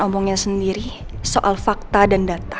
omongnya sendiri soal fakta dan data